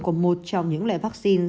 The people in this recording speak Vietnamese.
của một trong những loại vaccine